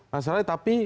mas raleh tapi